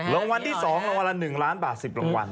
รางวัลที่๒รางวัลละ๑ล้านบาท๑๐รางวัล